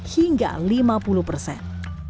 hingga lima puluh persen